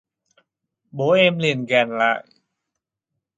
Bố em liền gàn lại